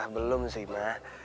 belum sih ma